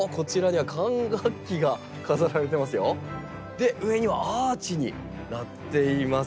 で上にはアーチになっています。